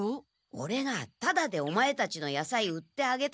オレがタダでオマエたちのやさい売ってあげたことを。